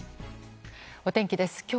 お天気です。